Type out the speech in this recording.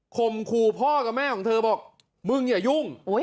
มขู่พ่อกับแม่ของเธอบอกมึงอย่ายุ่ง